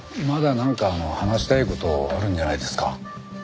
まだなんか話したい事あるんじゃないですか？